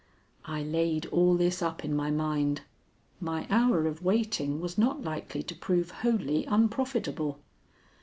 I laid all this up in my mind. My hour of waiting was not likely to prove wholly unprofitable.